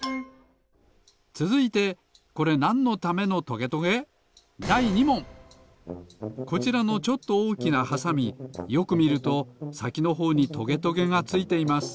つづいてこれこちらのちょっとおおきなはさみよくみるとさきのほうにトゲトゲがついています。